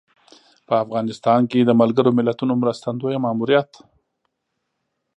په افغانستان کې د ملګر ملتونو مرستندویه ماموریت